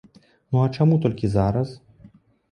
Ну, а чаму толькі зараз!?